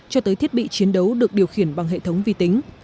cho tới thiết bị chiến đấu được điều khiển bằng hệ thống vi tính